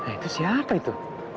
itu siapa itu